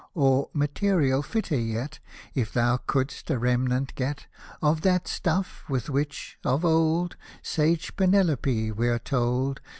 Or — material fitter yet — If thou couldst a remnant get Of that stuff, with which, of old, Sage Penelope, we're told.